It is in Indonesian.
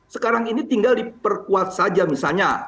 sekarang ini tinggal diperkuat saja misalnya